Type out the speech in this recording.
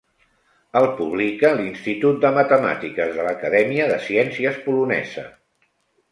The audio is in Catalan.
El publica l'Institut de Matemàtiques de l'Acadèmia de Ciències Polonesa.